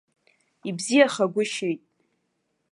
Ибзиахагәышьеит.